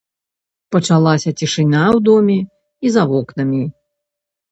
Пачалася цішыня ў доме і за вокнамі.